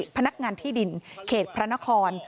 พนักงานที่ดินเขตพระนคร